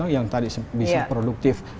yang tadi bisa produktif